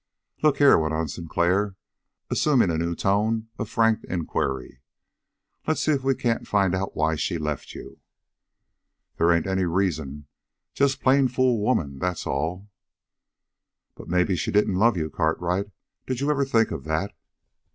"Look here," went on Sinclair, assuming a new tone of frank inquiry. "Let's see if we can't find out why she left you?" "They ain't any reason just plain fool woman, that's all." "But maybe she didn't love you, Cartwright. Did you ever think of that?"